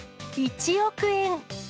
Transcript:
１億円。